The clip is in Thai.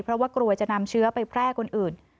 เพราะว่ากลัวจะนำเชื้อไปแพร่คนอื่น